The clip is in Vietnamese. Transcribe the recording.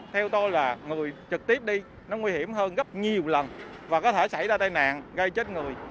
theo tôi là người trực tiếp đi nó nguy hiểm hơn gấp nhiều lần và có thể xảy ra tai nạn gây chết người